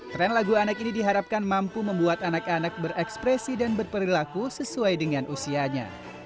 tren lagu anak ini diharapkan mampu membuat anak anak berekspresi dan berperilaku sesuai dengan usianya